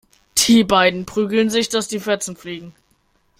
Die beiden prügeln sich, dass die Fetzen fliegen.